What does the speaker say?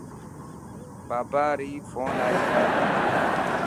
بابا ري فون آئي هي.